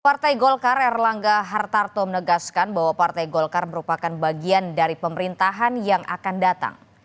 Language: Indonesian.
partai golkar erlangga hartarto menegaskan bahwa partai golkar merupakan bagian dari pemerintahan yang akan datang